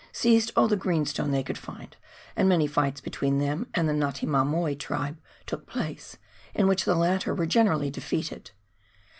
289 seized all the greenstone they could find, and many fighfs between them and the J^gatimamoe tribe took place, in which the latter were generally defeated.